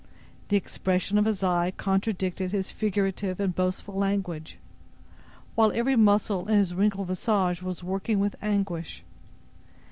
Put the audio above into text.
The expression of his eye contradicted his figurative and boastful language, while every muscle in his wrinkled visage was working with anguish.